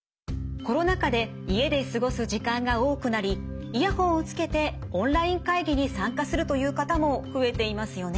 コロナ禍で家で過ごす時間が多くなりイヤホンをつけてオンライン会議に参加するという方も増えていますよね。